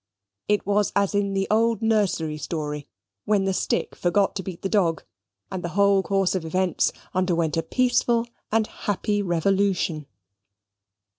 It was as in the old nursery story, when the stick forgot to beat the dog, and the whole course of events underwent a peaceful and happy revolution.